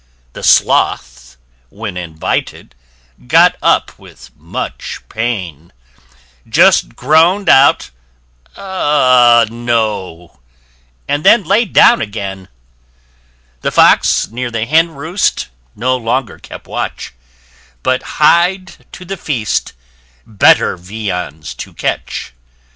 The Sloth, when invited, got up with much pain, Just groan'd out, "Ah, No!" and then laid down again. The Fox, near the hen roost, no longer kept watch, But hied to the feast, better viands to catch.